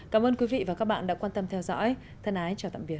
cảm ơn quý vị và các bạn đã quan tâm theo dõi thân ái chào tạm biệt